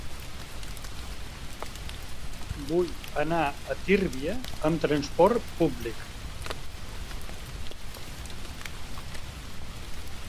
Vull anar a Tírvia amb trasport públic.